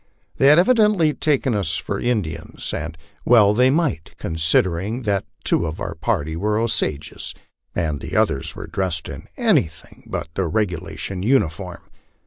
They had evidently taken us for Indians, and well they might, considering that two of our party were Osages and the others were dressed in anything but the regula tion uniform.